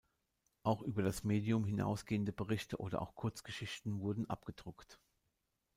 Auch über das Medium hinausgehende Berichte oder auch Kurzgeschichten wurden abgedruckt.